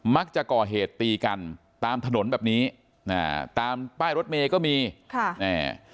มักจะก่อเหตุตีกันตามถนนแบบนี้อ่าตามป้ายรถเมย์ก็มีค่ะอ่า